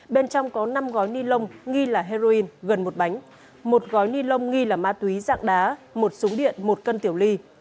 bên trong có năm gói ni lông nghi là heroin gần một bánh một gói ni lông nghi là ma túy dạng đá một súng điện một cân tiểu ly